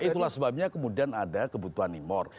itulah sebabnya kemudian ada kebutuhan impor